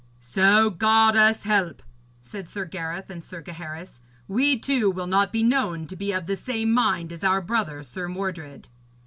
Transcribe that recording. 'So God us help,' said Sir Gareth and Sir Gaheris, 'we too will not be known to be of the same mind as our brother Sir Mordred.'